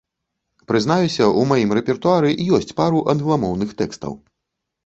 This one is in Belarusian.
Прызнаюся, у маім рэпертуары ёсць пару англамоўных тэкстаў.